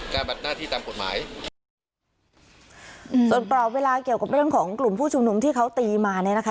บัดหน้าที่ตามกฎหมายอืมส่วนกรอบเวลาเกี่ยวกับเรื่องของกลุ่มผู้ชุมนุมที่เขาตีมาเนี้ยนะคะ